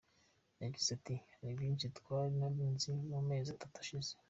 Yagize ati:” Hari byinshi ntari nzi mu mezi atatu ashize.